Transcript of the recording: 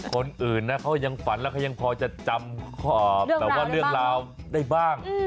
คนอื่นนะเขายังฝันแล้วเขายังพอจะจำแบบว่าเรื่องราวได้บ้าง